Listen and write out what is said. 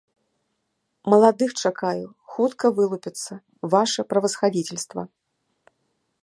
Маладых чакаю, хутка вылупяцца, ваша правасхадзіцельства.